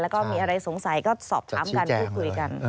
แล้วก็มีอะไรสงสัยก็สอบถามกันพูดคุยกัน